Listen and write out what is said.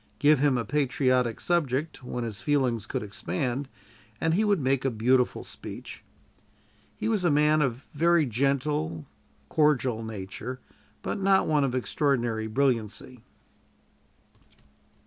Give him a patriotic subject, where his feelings could expand, and he would make a beautiful speech. He was a man of very gentle, cordial nature, but not one of extraordinary brilliancy.